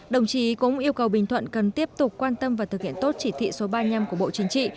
đồng chí cũng yêu cầu bình thuận cần tiếp tục quan tâm và thực hiện tốt chỉ thị số ba mươi năm của bộ chính trị